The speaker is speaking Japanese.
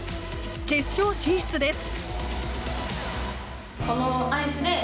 決勝進出です！